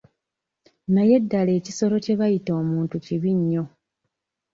Naye ddala ekisolo kye bayita omuntu kibi nnyo .